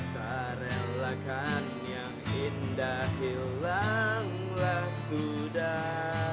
terelakan yang indah hilanglah sudah